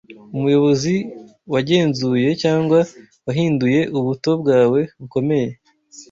Umuyobozi wagenzuye cyangwa wahinduye ubuto bwawe bukomeye